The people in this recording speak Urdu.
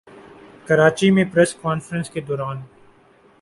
کراچی میں پریس کانفرنس کے دوران